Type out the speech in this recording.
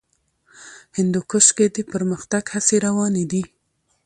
هندوکش کې د پرمختګ هڅې روانې دي.